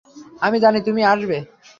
আমি জানি তুমি আসবে।